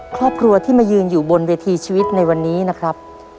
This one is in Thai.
ครอบครัวที่มายืนอยู่บนเวทีชีวิตในวันนี้นะครับ